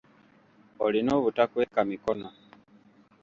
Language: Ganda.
Olina obutakweka mikono.